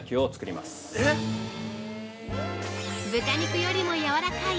◆豚肉よりもやわらかい！